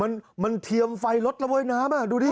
มันมันเทียมไฟรถระเวยน้ำอ่ะดูดิ